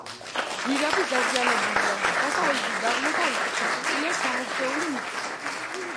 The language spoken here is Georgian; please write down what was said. გვირაბი დაზიანებულია: დასავლეთით და აღმოსავლეთით ჩაკეტილია ჩამოქცეული მიწით.